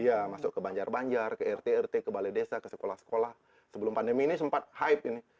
iya masuk ke banjar banjar ke rt rt ke balai desa ke sekolah sekolah sebelum pandemi ini sempat hype ini